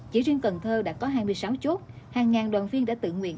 chỉ riêng cần thơ đã có hai mươi sáu chốt hàng ngàn đoàn viên đã tự nguyện